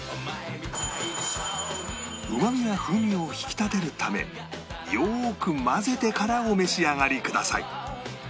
うまみや風味を引き立てるためよーく混ぜてからお召し上がりください